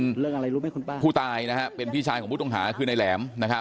ที่เกิดเกิดเหตุอยู่หมู่๖บ้านน้ำผู้ตะมนต์ทุ่งโพนะครับที่เกิดเกิดเหตุอยู่หมู่๖บ้านน้ำผู้ตะมนต์ทุ่งโพนะครับ